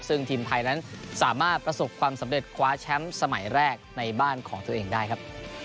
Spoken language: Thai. ซึ่งทีมไทยนั้นสามารถประสบความสำเร็จคว้าแชมป์สมัยแรกในบ้านของตัวเองได้ครับ